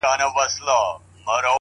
زه څوک لرمه”